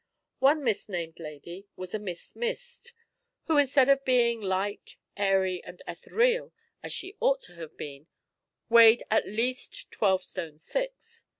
One misnamed lady was a Miss Mist, who, instead of being light, airy, and ethereal, as she ought to have been, weighed at least twelve stone six.